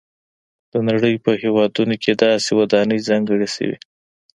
د نړۍ په هېوادونو کې داسې ودانۍ ځانګړې شوي.